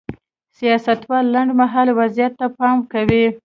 سیاستوال لنډ مهال وضعیت ته پام کوي.